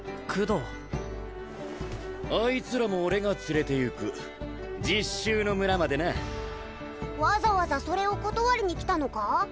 クドーあいつらも俺が連れて行く実習の村までなわざわざそれを断りに来たのか？